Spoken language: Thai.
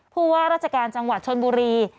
ผู้ว่าราชการจังหวัดชนบุรี